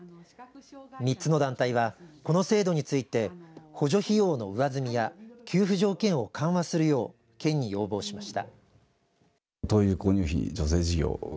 ３つの団体はこの制度について補助費用の上積みや給付条件を緩和するよう県に要望しました。